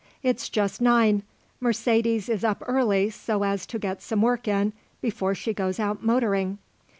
"It's just nine; Mercedes is up early so as to get some work in before she goes out motoring."